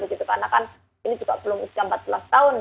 karena ini juga belum usia empat belas tahun